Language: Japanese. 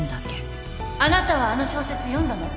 あなたはあの小説読んだの？